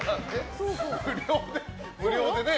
無料でね。